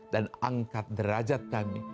dan angkat derajat kami